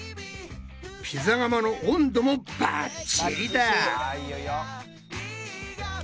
ピザ窯の温度もバッチリだ！